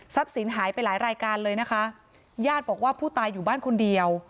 สินหายไปหลายรายการเลยนะคะญาติบอกว่าผู้ตายอยู่บ้านคนเดียว